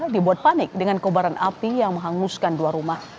dibuat panik dengan kobaran api yang menghanguskan dua rumah